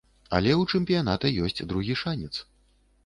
Але ў чэмпіяната ёсць другі шанец.